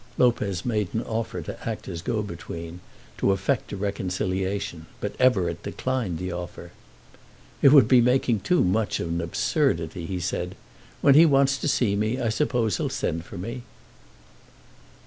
Lopez made an offer to act as go between, to effect a reconciliation; but Everett declined the offer. "It would be making too much of an absurdity," he said. "When he wants to see me, I suppose he'll send for me."